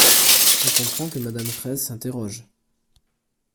Je comprends que Madame Fraysse s’interroge.